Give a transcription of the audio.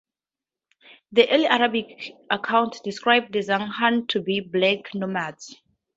The early Arabic accounts describe the Zaghawa to be "black nomads".